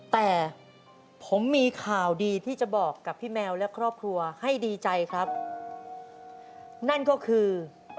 แต่ผมมีข่าวดีที่จะบอกกับพี่แมวและครอบครัวให้ดีใจครับนั่นก็คือ